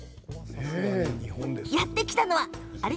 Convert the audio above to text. やって来たのは、あれ？